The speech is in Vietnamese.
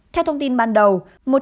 theo thông tin ban đầu